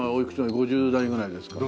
５０代ぐらいですかね。